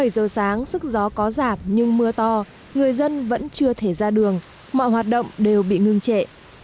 bảy giờ sáng sức gió có giảm nhưng mưa to người dân vẫn chưa thể ra đường mọi hoạt động đều bị ngừng trệ